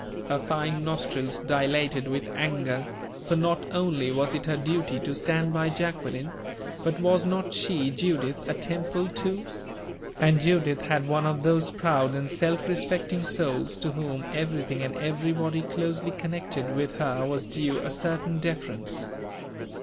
Her fine nostrils dilated with anger for not only was it her duty to stand by Jacqueline, but was not she, Judith, a Temple, too? And Judith had one of those proud and self respecting souls to whom everything and everybody closely connected with her was due a certain deference.